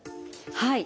はい。